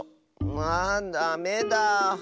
ああダメだ。